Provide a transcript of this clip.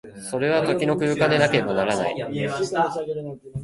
それは時の空間でなければならない。